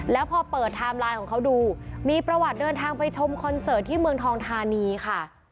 แล้วพอเปิดไทม์ไลน์ของเขาดูมีประวัติเดินทางไปชมคอนเสิร์ตที่เมืองทองธานีค่ะ